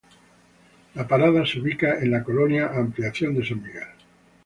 La parada se ubica en la colonia Ampliación San Miguel.